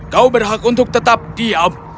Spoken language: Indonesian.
kau berhak untuk tetap diam